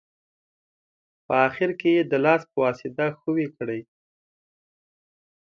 په اخیر کې یې د لاس په واسطه ښوي کړئ.